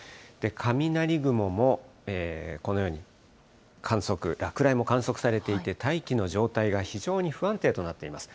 雷雲もこのように観測、落雷も観測されていて、大気の状態が非常に不安定となっています。